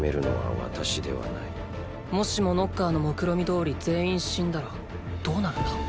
もしもノッカーの目論見どおり全員死んだらどうなるんだ？